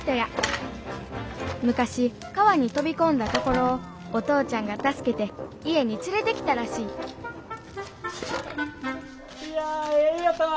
昔川に飛び込んだところをお父ちゃんが助けて家に連れてきたらしいいやええ湯やったわ。